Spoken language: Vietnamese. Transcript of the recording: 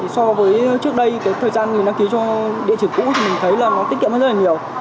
so với trước đây cái thời gian mình đăng ký cho địa chỉ cũ thì mình thấy là nó tiết kiệm hơn rất là nhiều